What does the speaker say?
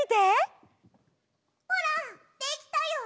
ほらできたよ！